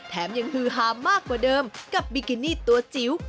แถมยังฮือฮามากกว่าเดิมกับบิกินี่ตัวจิ๋ว